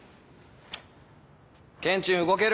ケンチン動ける？